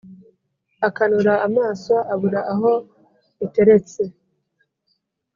Akanura amaso abura aho iteretse